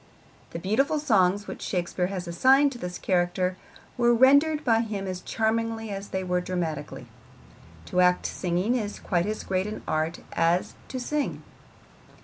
The beautiful songs which Shakespeare has assigned to this character were rendered by him as charmingly as they were dramatically. To act singing is quite as great an art as to sing.